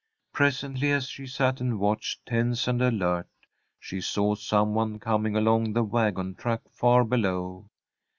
Presently, as she sat and watched, tense and alert, she saw some one coming along the wagon track far below.